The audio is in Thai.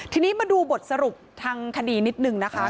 ทีนี้มาดูบทสรุปทางคดีนิดนึงนะคะ